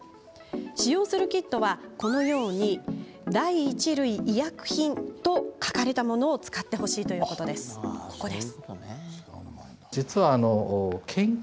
使用するキットはこのように「第一類医薬品」と書かれたものを使ってほしいということです。